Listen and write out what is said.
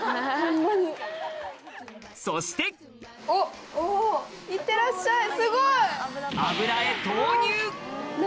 そしていってらっしゃいすごい！